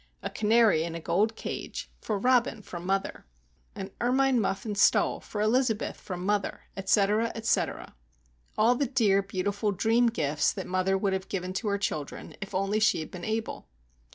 "A canary in a gold cage, for Robin from mother." "An ermine muff and stole, for Elizabeth from mother," etc., etc. All the dear, beautiful, dream gifts that mother would have given to her children, if only she had been able!